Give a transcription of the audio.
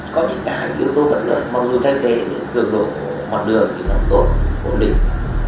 có những cái yếu tố vận lợi mặc dù thay thế được cường độ mặt đường thì nó tốt ổn định